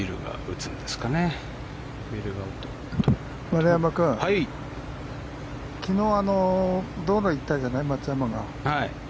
丸山君、昨日道路行ったじゃない、松山が。